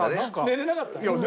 寝れなかったよ。